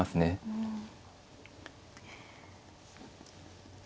うん。